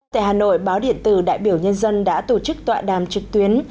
tại hà nội báo điện tử đại biểu nhân dân đã tổ chức tọa đàm trực tuyến